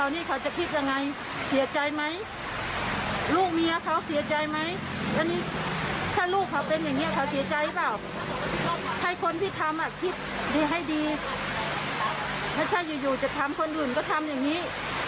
แล้วถ้าอยู่จะทำคนอื่นก็ทำอย่างนี้